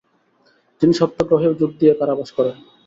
তিনি সত্যাগ্ৰহেও যোগ দিয়ে কারাবাস করেন।